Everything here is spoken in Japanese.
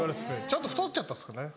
ちょっと太っちゃったんですかね。